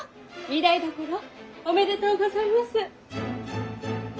御台所おめでとうございます。